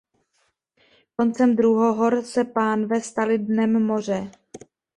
Koncem druhohor se pánve staly dnem moře.